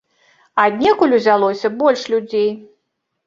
Аднекуль узялося больш людзей.